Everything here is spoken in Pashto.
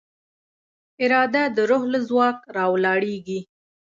اراده د روح له ځواک راولاړېږي.